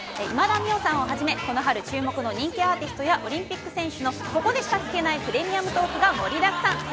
今田美桜さんをはじめ、この春注目の人気アーティストやオリンピック選手のここでしか聞けないプレミアムトークが盛りだくさん。